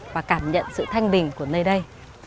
và cảm nhận sự thanh bình của nơi đây